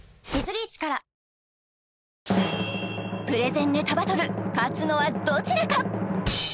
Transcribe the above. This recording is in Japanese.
プレゼンネタバトル勝つのはどちらか？